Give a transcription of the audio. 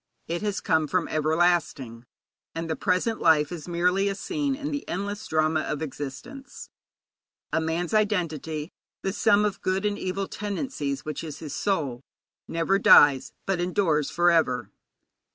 It has come from everlasting, and the present life is merely a scene in the endless drama of existence. A man's identity, the sum of good and of evil tendencies, which is his soul, never dies, but endures for ever.